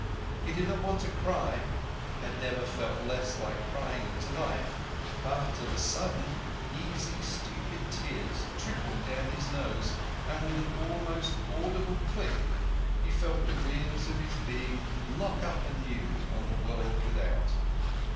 He did not want to cry—had never felt less like crying in his life—but of a sudden easy, stupid tears trickled down his nose, and with an almost audible click he felt the wheels of his being lock up anew on the world without.